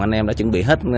anh em đã chuẩn bị hết